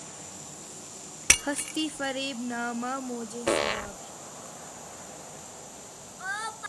ہستی‘ فریب نامۂ موجِ سراب ہے